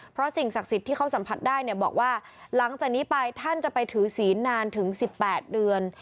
เพราะสิ่งศักดิ์สิทธิ์ที่เขาสัมผัสได้เนี่ยบอกว่าหลังจากนี้ไปท่านจะไปถือศีลนานถึง๑๘เดือน